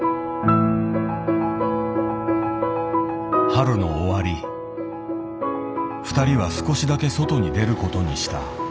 春の終わり二人は少しだけ外に出ることにした。